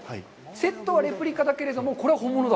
セットはレプリカだけれども、これは本物だ。